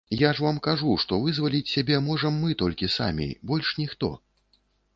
Я ж вам кажу, што вызваліць сябе можам мы толькі самі, больш ніхто.